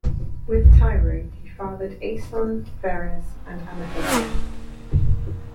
With Tyro, he fathered Aeson, Pheres, and Amythaon.